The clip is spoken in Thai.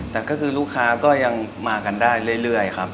แต่ก็คือลูกค้าก็ยังมากันได้เรื่อยครับ